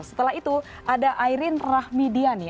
setelah itu ada ayrin rahmidiani